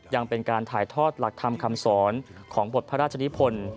ยังเป็นการถ่ายทอดหลักธรรมคำสอนของบทพระราชนิพล